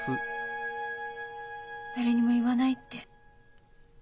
だれにも言わないって。